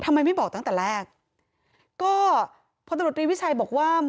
ทำไมไม่บอกตั้งแต่แรกก็พลตำรวจรีวิชัยบอกว่า